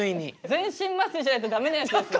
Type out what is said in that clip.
全身麻酔しないとダメなやつですよね？